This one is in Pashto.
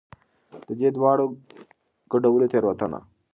د دې دواړو ګډول تېروتنه ده.